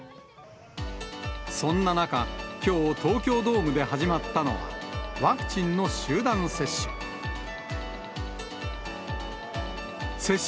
そんな中、きょう、東京ドームで始まったのは、ワクチンの集団接種。